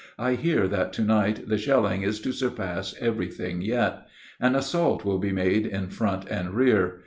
I hear that to night the shelling is to surpass everything yet. An assault will be made in front and rear.